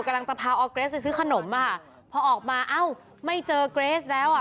กำลังจะพาออร์เกรสไปซื้อขนมอ่ะค่ะพอออกมาเอ้าไม่เจอเกรสแล้วอ่ะ